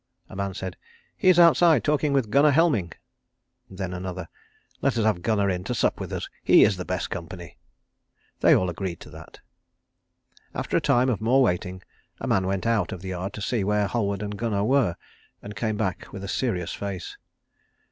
A man said, "He is outside talking with Gunnar Helming." Then another: "Let us have Gunnar in to sup with us. He is the best company." They all agreed to that. After a time of more waiting a man went out of the yard to see where Halward and Gunnar were, and came back with a serious face.